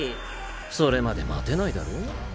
それまで待てないだろ？